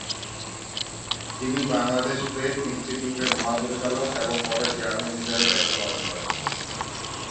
তিনি বাংলাদেশ প্রেস ইনস্টিটিউটের মহাপরিচালক এবং পরে চেয়ারম্যান হিসেবে দায়িত্ব পালন করেন।